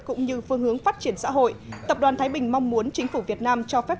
cũng như phương hướng phát triển xã hội tập đoàn thái bình mong muốn chính phủ việt nam cho phép